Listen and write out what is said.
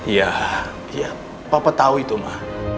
ya ya papa tahu itu ma